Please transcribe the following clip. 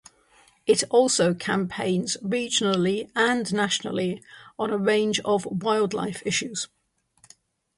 It also campaigns regionally and nationally on a range of wildlife issues.